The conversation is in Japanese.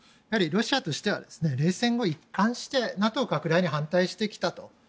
やはりロシアとしては冷戦後、一貫してＮＡＴＯ拡大に反対してきたと。